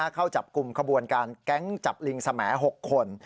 เข้าจับกลุ่มขบวนการแก๊งจับลิงสม๖คน